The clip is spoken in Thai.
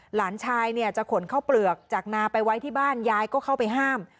หลานชายเนี่ยจะขนข้าวเปลือกจากนาไปไว้ที่บ้านยายก็เข้าไปห้าม